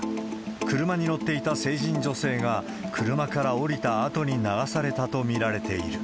車に乗っていた成人女性が、車から降りたあとに流されたと見られている。